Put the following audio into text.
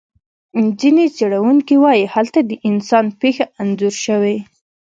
ځینې څېړونکي وایي هلته د انسان پېښه انځور شوې.